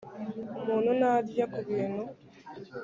umuntu narya ku bintu